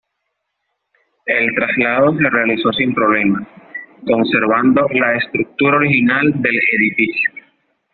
El traslado se realizó sin problemas, conservando la estructura original del edificio.